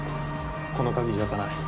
この鍵じゃ開かない。